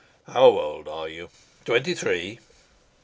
"How old are you? Twenty three?"